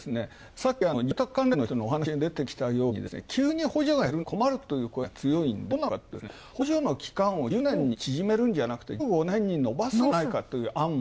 さっき、住宅関連の人のお話に出てきたように急に補助が減るのは困るという声が強いんでどうなるのかというと、補助の期間を１０年に縮めるんじゃなくて１５年に延ばすんじゃないかという案も。